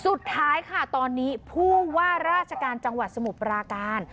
สุดท้ายค่ะตอนนี้ผู้ว่าราชการจังหวัดสมุทรปราการ